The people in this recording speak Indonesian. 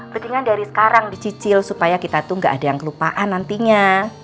pentingnya dari sekarang dicicil supaya kita tuh gak ada yang kelupaan nantinya